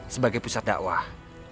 sebagai pusat dakwah